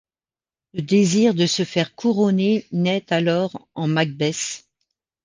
Le désir de se faire couronner nait alors en Macbeth.